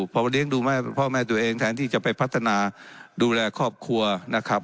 พอเลี้ยงดูแม่พ่อแม่ตัวเองแทนที่จะไปพัฒนาดูแลครอบครัวนะครับ